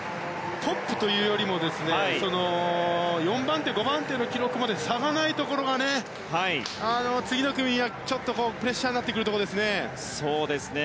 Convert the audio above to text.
トップというよりも４番手、５番手の記録まで差がないところが次の組にはちょっとプレッシャーになってくるところですね。